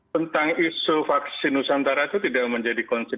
tentang isu vaksin nusantara itu tidak menjadi konflik